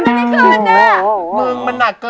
เร็วเนี่ยเราจ๊ะ